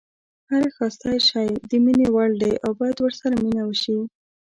هر ښایسته شی د مینې وړ دی او باید ورسره مینه وشي.